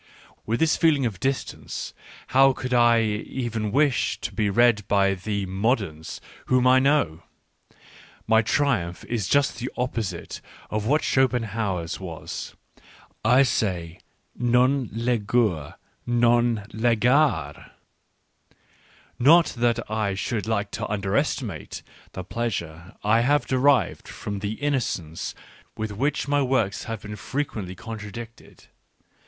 With this feeling of distance how could I even wish to be read by the " moderns " whom I know ! My triumph is just the opposite of what Schopenhauer's was — I say " Non legor, non legar." — Not that I should like to underestimate the pleasure I have derived from the innocence with which my works have frequently been contradicted.